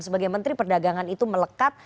sebagai menteri perdagangan itu melekat